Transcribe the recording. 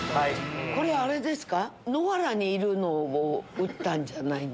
これあれですか？